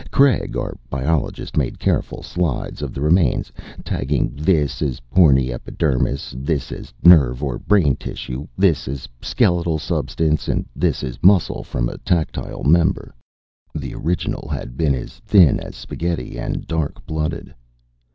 Craig, our biologist, made careful slides of the remains, tagging this as horny epidermis, this as nerve or brain tissue, this as skeletal substance, and this as muscle from a tactile member the original had been as thin as spaghetti, and dark blooded.